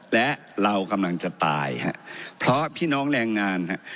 และเรากำลังจะตายฮะเพราะพี่น้องแรงงานฮะ